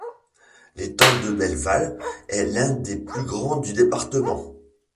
L'étang de Belval est l'un des plus grands du département.